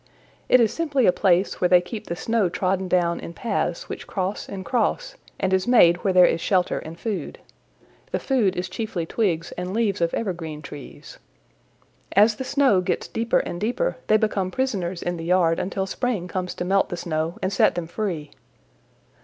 It is simply a place where they keep the snow trodden down in paths which cross and cross, and is made where there is shelter and food. The food is chiefly twigs and leaves of evergreen trees. As the snow gets deeper and deeper they become prisoners in the yard until spring comes to melt the snow and set them free.